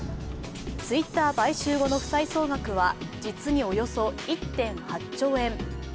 Ｔｗｉｔｔｅｒ買収後の負債総額は実におよそ１．８兆円。